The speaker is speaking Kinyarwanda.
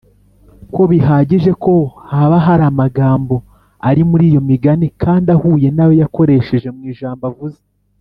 ko bihagije ko haba hari amagambo ari muri iyo migani kandi ahuye n’ayo yakoresheje mu ijambo avuze.